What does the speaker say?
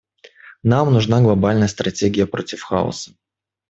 Нам нужна глобальная стратегия против хаоса.